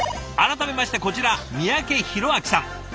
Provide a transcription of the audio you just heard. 改めましてこちら三宅裕朗さん。